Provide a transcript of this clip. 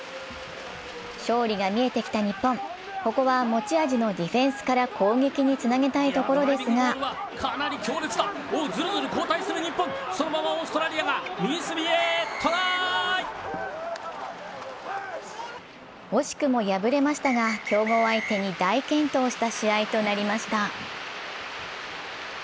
勝利が見えてきた日本、ここは持ち味のディフェンスから攻撃につなげたいところですが惜しくも敗れましたが、強豪相手に大健闘した試合となりました。